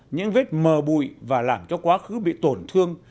những vết mờ bụi và làm cho quá khứ bị tổn thương